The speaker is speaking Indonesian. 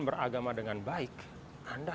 beragama dengan baik anda